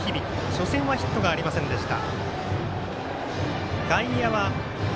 初戦はヒットがありませんでした。